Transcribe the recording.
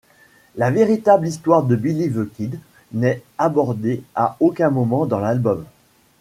La véritable histoire de Billy the Kid n'est abordée à aucun moment dans l'album.